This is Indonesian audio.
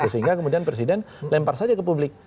sehingga kemudian presiden lempar saja ke publik